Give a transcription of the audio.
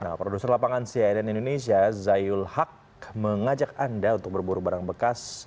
nah produser lapangan cnn indonesia zayul haq mengajak anda untuk berburu barang bekas